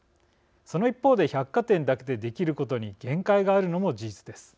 その一方で、百貨店だけでできることに限界があるのも事実です。